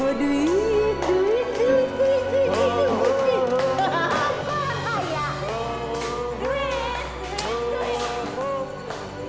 waduh itu itu itu itu itu